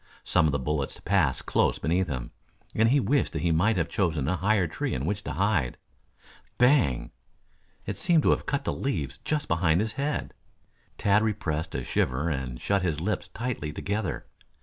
Some of the bullets passed close beneath him, and he wished that he might have chosen a higher tree in which to hide. Bang! It seemed to have cut the leaves just behind his head. Tad repressed a shiver and shut his lips tightly together.